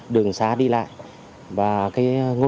đường xã đi lại